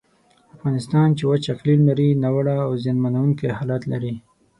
افغانستان چې وچ اقلیم لري، ناوړه او زیانمنونکی حالت لري.